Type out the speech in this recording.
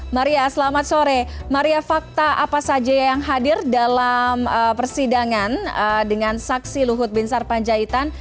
maria selamat sore maria fakta apa saja yang hadir dalam persidangan dengan saksi luhut bin sarpanjaitan